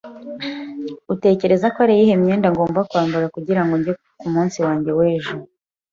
Utekereza ko ari iyihe myenda ngomba kwambara kugirango njya ku munsi wanjye w'ejo?